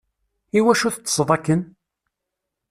Iwacu teṭṭseḍ akken?